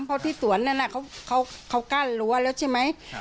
เพราะที่สวนนั้นเขากั้นรั้วแล้วใช่ไหม